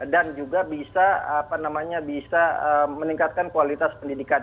dan juga bisa apa namanya bisa meningkatkan kualitas pendidikan